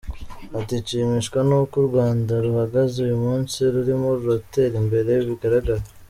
Ati “Nshimishwa n’uko u Rwanda ruhagaze uyu munsi, rurimo ruratera imbere bigaragara.